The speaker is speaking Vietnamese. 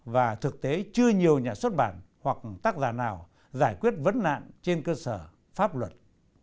và thực tế chưa nhiều nhà xuất bản hoặc tác giả nào giải quyết vấn nạn trên cơ sở pháp luật